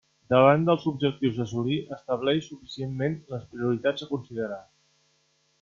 Davant dels objectius a assolir, estableix suficientment les prioritats a considerar.